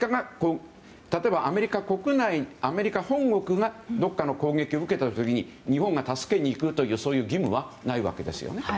例えばアメリカ本国がどこかの攻撃を受けた時に日本が助けに行くというそういう義務はないわけですね。